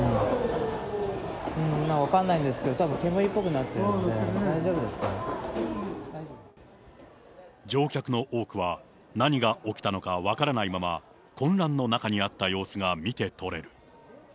分かんないんですけど、煙っぽくなってるんで、大丈夫ですか乗客の多くは何が起きたのか分からないまま、混乱の中にあった様子が見て取れる。